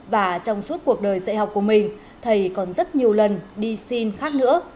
và trong suốt cuộc đời dạy học của mình thầy còn rất nhiều lần đi xin khác nữa